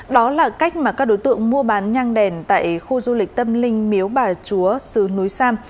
đó là cách mà các đối tượng mua bán nhang đèn tại khu du lịch tâm linh miếu bà chúa sứ núi sam